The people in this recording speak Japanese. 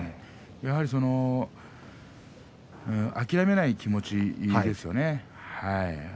やはり諦めない気持ちなんですよね。